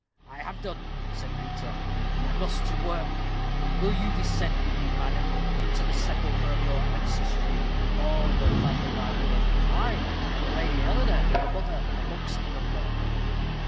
"I have done," said Peter, "and must to work. Will you descend with me, madam, into the sepulchre of your ancestry? All your family lie within ay, and the Lady Eleanor, your mother, amongst the number."